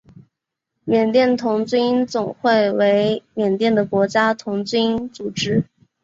缅甸童军总会为缅甸的国家童军组织。